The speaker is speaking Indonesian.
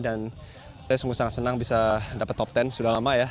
dan saya sungguh sangat senang bisa dapat top sepuluh sudah lama ya